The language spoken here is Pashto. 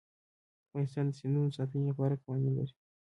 افغانستان د سیندونه د ساتنې لپاره قوانین لري.